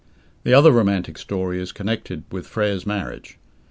The other romantic story is connected with Frere's marriage.